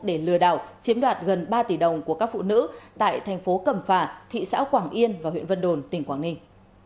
để lừa đảo chiếm đoạt gần ba tỷ đồng của các phụ nữ tại thành phố cẩm phả thị xã quảng yên và huyện vân đồn tỉnh quảng ninh